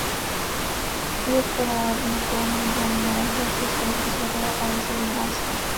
Je pravnukem významného českého spisovatele Aloise Jiráska.